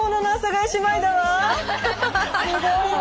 すごいわ。